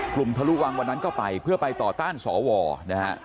ทะลุวังวันนั้นก็ไปเพื่อไปต่อต้านสวนะฮะ